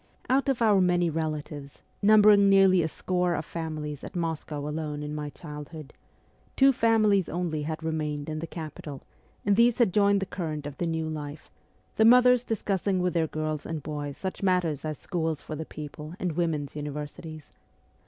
Out of our many relatives, numbering nearly a score of families at Moscow alone in my childhood, two families only had remained in the capital, and these had joined the current of the new life, the mothers discussing with their girls and boys such matters as schools for the people and women's universities.